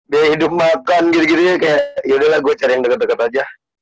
biaya hidup makan gitu gitunya kayak yaudahlah gue cari yang deket deket aja